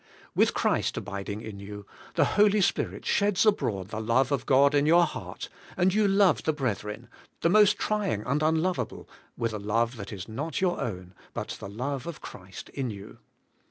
With Christ abiding in you, the Holy Spirit sheds abroad the love of God in your heart, and you love the brethren, the most trying and unlovable, with a love that is not your own, but the love of Christ in you.